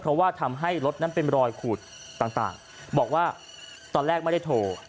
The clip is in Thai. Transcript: เพราะว่าทำให้รถนั้นเป็นรอยขูดต่างบอกว่าตอนแรกไม่ได้โทร